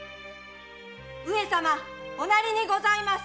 ・上様おなりにございます。